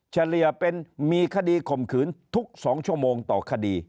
เฉลี่ยเป็นมีคดีข่มขืนทุก๒ชั่วโมงต่อคดี